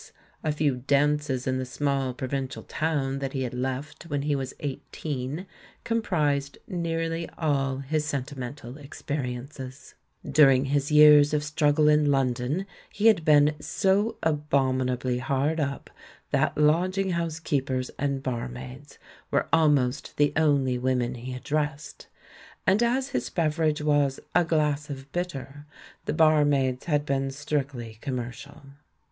a few dances in the small provin cial town that he had left when he was eighteen comprised nearly all his sentimental experiences; during his years of struggle in London he had been so abominably hard up that lodging house keepers and barmaids were almost the only wom en he addressed, and as his beverage was "a glass of bitter," the barmaids had been strictly com mercial.